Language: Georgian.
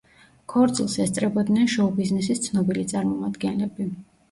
ქორწილს ესწრებოდნენ შოუ-ბიზნესის ცნობილი წარმომადგენლები.